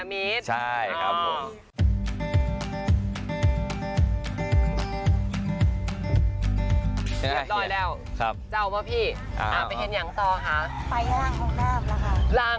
มีซุยังเยอะเว้นแฟน